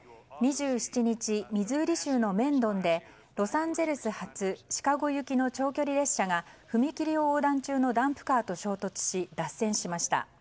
２７日、ミズーリ州のメンドンでロサンゼルス発シカゴ行きの長距離列車が踏切を横断中のダンプカーと衝突し、脱線しました。